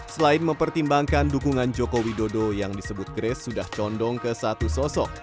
selain mempertimbangkan dukungan joko widodo yang disebut grace sudah condong ke satu sosok